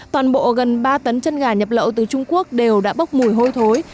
toàn bộ gần ba tấn chân gà nhập lậu từ trung quốc đều đã bốc mùi hôi thối